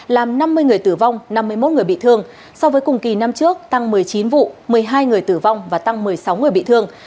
làm năm mươi người tử vong năm mươi một người bị thương so với cùng kỳ năm trước tăng một mươi chín vụ một mươi hai người tử vong và tăng một mươi sáu người bị thương